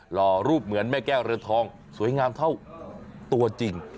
ห่อรูปเหมือนแม่แก้วเรือนทองสวยงามเท่าตัวจริง